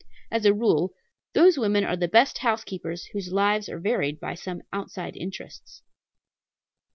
As a rule, those women are the best housekeepers whose lives are varied by some outside interests.